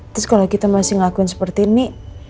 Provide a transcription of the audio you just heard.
terus kalau kita masih ngelakuin seperti ini